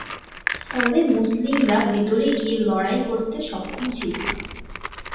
ফলে মুসলিমরা ভেতরে গিয়ে লড়াই করতে সক্ষম ছিল না।